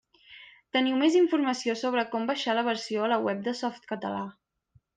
Teniu més informació sobre com baixar la versió a la web de Softcatalà.